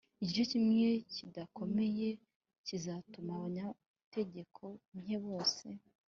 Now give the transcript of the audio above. igice kimwe kidakomeye kizatuma abanyantege nke bose.